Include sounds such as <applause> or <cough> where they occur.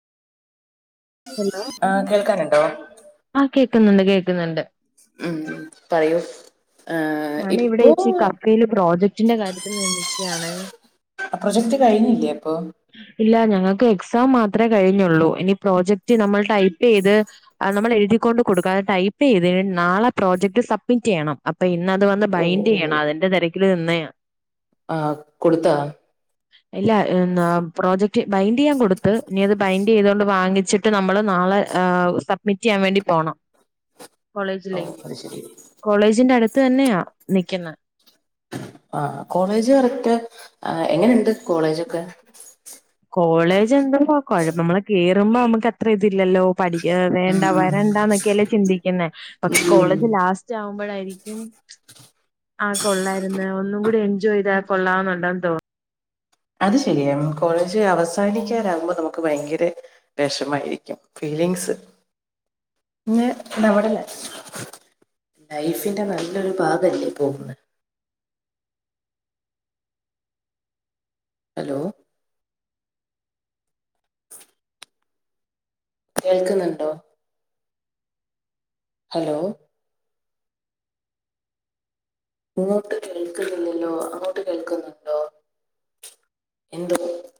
ഹോ ആഹ് കേൾക്കാനുണ്ടോ ആ കേക്കുന്നുണ്ട് കേക്കുന്നുണ്ട് ഉം പറയൂ ഏഹ് ഞാന ഇവിടെ ഇപ്പോ ചച്ചി കപ്പൽ പ്രോജക്ടിന്റെ കാര്യത്തിൽ നിക്കുകയാണ് പ്രൊജക്ട് കഴിഞ്ഞില്ലേ അപ്പൊ ഇല്ല ഞങ്ങക്ക് സം മാത്രമേ കഴിഞ്ഞുള്ളൂ ഇനി പ്രോജക്ട് നമ്മൾ ടൈപ്പ് ചെയ്ത് നമ്മൾ എഴുതിക്കൊണ്ട് കൊടുക്കുക അ ടൈപ്പ് തിന് നാളെ പ്രോജക്ട് സബ്മിറ്റ് ചെയ്യണം അപ്പൊ പിന്നെ അത് വന്ന് ഓ ബൈൻഡ് ഓ ചെയ്യണം അതിന്റെ തിരക്കില് നിന്നെയാണ് ആഹ് കൊടുത്ത ഇല്ല പ്രോജക്ട് ബൈൻഡ് ചെയ്യാൻ കൊടുത്ത് ഇനി അത് ബൈൻഡ് ചെയ്തോൊണ്ട് വാങ്ങിച്ചിട്ട് നമ്മള് െ സബ്മിറ്റ് ചെയ്യാൻ വേണ്ടി പോണം ഓ കോളേജില്ലേ അത് ശരി കോളേജിന്റെ അടുത്ത് തന്നെയാ നിക്കുന്ന ആ കോളേജ് കറക്റ്റ് എങ്ങനെുണ്ട് കോളേജ്ൊക്കെ കോളേജ്, എന്തപ്പകുഴപ്പം നമ്മളുകേറുമ്പോ നമ്മുക്കത്രഇതില്ലല്ലോ. പഠിക്കാ ഉം വേണ്ട, വരണ്ടാന്നൊക്കെയല്ലേ ചിന്തിക്കുന്നേ, പക്ഷേ ഉം കോളേജ് ലാസ്റ്റാകുമ്പം മ്പോളായിരിക്കും ആ.. കൊള്ളായിരുന്നു. ഒന്നുകൂടി എൻജോയ് ചെയ്താൽ കൊള്ളാവെന്നുണ്ടെന്നു തോന്നുന്നു. അതേശരിയാണ്, കോളേജ് അവസാനിക്കാനാകുമ്പോ നമുക്ക്ഭയങ്കരവിഷ മമായിരിക്കും. ലിങ്ക്സ് <unintelligible> ഇന്ന് ശവമടക്കാ ലൈഫിന്റെനല്ലൊരു ഭാഗല്ലേ, പോകുന്നേ <unintelligible> ഹലോ കേൾക്കുന്നുണ്ടോ ഹലോ ഇങ്ങോട്ട് കേൾക്കുന്നില്ലല്ലോ. അങ്ങോട്ട് കേൾക്കുന്നുണ്ടോ? എന്തൊക്കെ